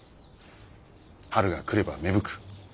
春が来れば芽吹く。